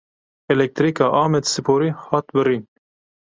Elektrîka Amedsporê hat birîn.